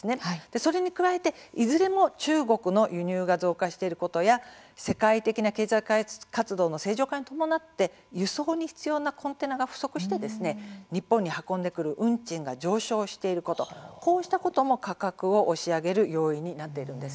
それに加えていずれも中国の輸入が増加していることや世界的な経済活動の正常化に伴って輸送に必要なコンテナが不足していて日本に運んでくる運賃が上昇していることこうしたことも価格を押し上げる要因になっているんです。